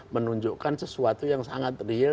menunjukkan sesuatu yang sangat real